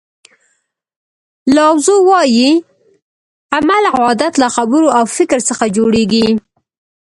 لاو زو وایي عمل او عادت له خبرو او فکر څخه جوړیږي.